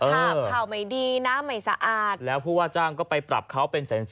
เผ่าไม่ดีน้ำไม่สะอาดแล้วพวกจ้างก็ไปปรับเค้าเป็น